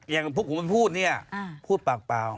อย่างพวกผมมันพูดเนี่ยพูดปากเปล่า